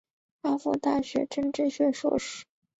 哈佛大学政治学硕士。